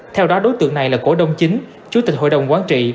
theo đó đối tượng này là cổ đông chính chủ tịch hội đồng quán trị